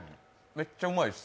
めっちゃうまいっす。